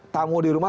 tamu di rumah